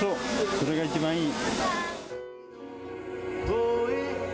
それが一番いい。